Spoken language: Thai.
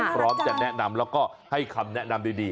พร้อมจะแนะนำแล้วก็ให้คำแนะนำดี